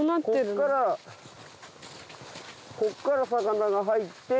こっから魚が入って。